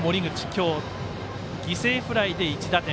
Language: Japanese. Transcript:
今日、犠牲フライで１打点。